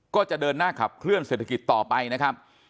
ก็จะเดินหน้าขับเคลื่อนเศรษฐกิจต่อไปนะครับ